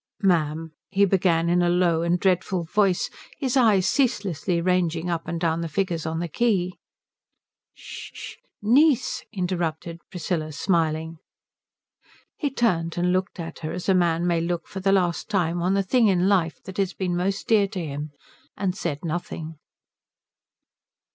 "Ma'am " he began in a low and dreadful voice, his eyes ceaselessly ranging up and down the figures on the quay. "Sh sh Niece," interrupted Priscilla, smiling. He turned and looked at her as a man may look for the last time at the thing in life that has been most dear to him, and said nothing.